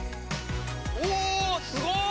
うおすごい！